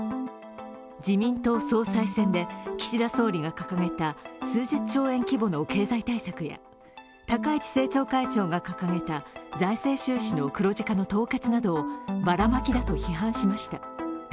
自民党総裁選で岸田総理が掲げた数十兆円規模の経済対策や高市政調会長が掲げた財政収支の黒字化の凍結などをばらまきだと批判しました。